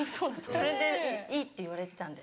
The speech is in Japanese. それでいいって言われてたんで。